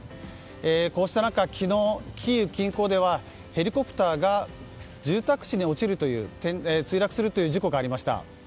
こうした中、昨日キーウ近郊ではヘリコプターが住宅地に墜落するという事故がありました。